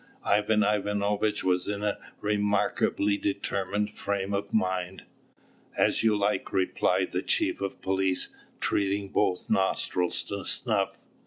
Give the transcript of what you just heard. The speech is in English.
Ivan Ivanovitch was in a remarkably determined frame of mind. "As you like," replied the chief of police, treating both nostrils to snuff.